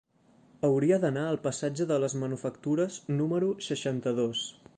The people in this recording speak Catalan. Hauria d'anar al passatge de les Manufactures número seixanta-dos.